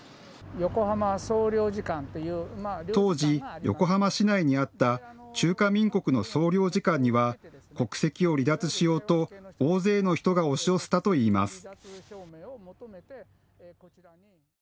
当時、横浜市内にあった中華民国の総領事館には国籍を離脱しようと大勢の人が押し寄せたといいます。